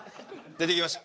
出てきました。